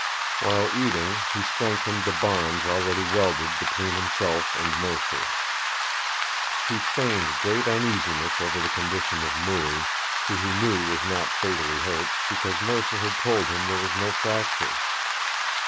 While eating he strengthened the bonds already welded between himself and Mercer. He feigned great uneasiness over the condition of Mooie, who he knew was not fatally hurt because Mercer had told him there was no fracture.